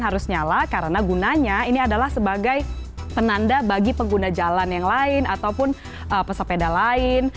harus nyala karena gunanya ini adalah sebagai penanda bagi pengguna jalan yang lain ataupun pesepeda lain